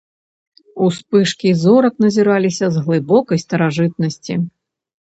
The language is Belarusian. Успышкі зорак назіраліся з глыбокай старажытнасці.